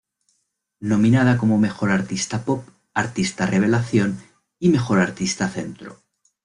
Nominada como Mejor Artista Pop, Artista Revelación y Mejor Artista Centro.